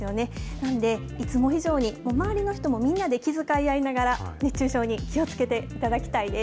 なので、いつも以上に周りの人もみんなで気遣い合いながら、熱中症に気をつけていただきたいです。